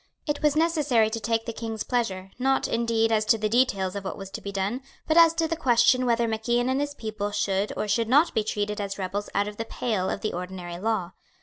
It was necessary to take the King's pleasure, not, indeed, as to the details of what was to be done, but as to the question whether Mac Ian and his people should or should not be treated as rebels out of the pale of the ordinary law.